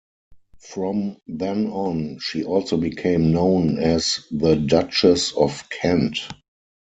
From then on she also became known as the Duchess of Kent.